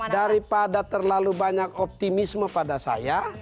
daripada terlalu banyak optimisme pada saya